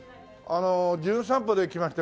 『じゅん散歩』で来ました